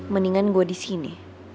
mendingan gue disini